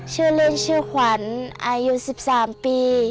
ชื่อเล่นชื่อขวัญอายุ๑๓ปี